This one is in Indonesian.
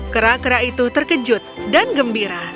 kera kera itu terkejut dan gembira